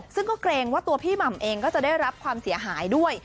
ซึ่งก็เกรงว่าตัวพี่หม่ำเองก็จะได้รับความเสียหายด้วย